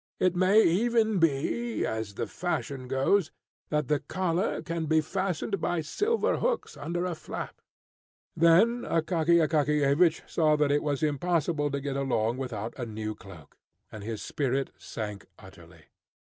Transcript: It may even be, as the fashion goes, that the collar can be fastened by silver hooks under a flap." Then Akaky Akakiyevich saw that it was impossible to get along without a new cloak, and his spirit sank utterly.